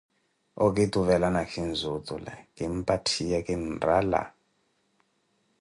okituvela nakhinzi otule, kimpatthiye kinrala.